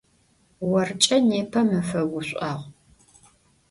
Оркӏэ непэ мэфэ гушӏуагъу.